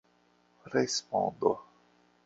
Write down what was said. respondo